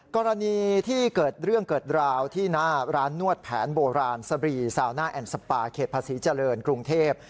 กรณีที่เกิดเรื่องเกิดราวที่หน้าร้านนวดแผนโบราณสบรีซาวน่าแอนด์สปาเขตภาษีเจริญกรุงเทพ